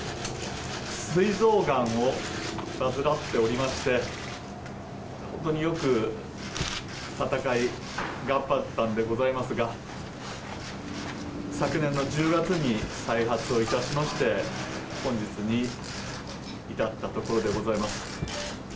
すい臓がんを患っておりまして、本当によく闘い頑張ったんでございますが、昨年の１０月に再発をいたしまして、本日に至ったところでございます。